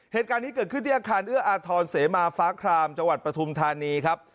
เหตุการณ์นี้เกิดขึ้นที่อาคารเอื้ออาทรเสมาฟ้าครามจังหวัดปฐุมธานีครับ